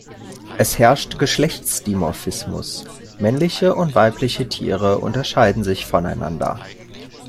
Es herrscht Geschlechtsdimorphismus: Männliche und weibliche Tiere unterscheiden sich voneinander.